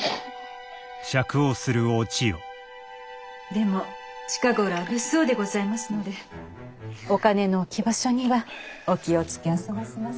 でも近頃は物騒でございますのでお金の置き場所にはお気を付けあそばせますように。